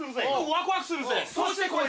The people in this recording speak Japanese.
ワクワクするぜ。